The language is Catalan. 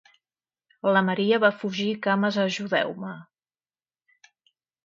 La Maria va fugir cames ajudeu-me.